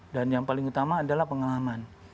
dan yang paling utama adalah pengalaman